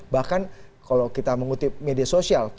bahkan kalau kita mengutip media sosial